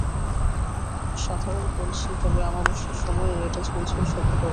সাধারণ কলসি, তবে অমাবস্যার সময়ে এটা ঝন ঝন শব্দ করে।